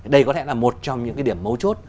đây có thể là một trong những cái điểm mấu chốt